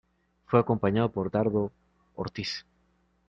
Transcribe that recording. Fue acompañado por Dardo Ortiz.